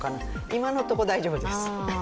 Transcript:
今のところ大丈夫です。